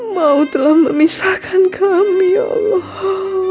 mau telah memisahkan kami ya allah